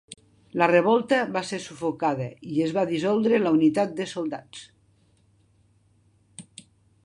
La revolta va ser sufocada i es va dissoldre la unitat de soldats.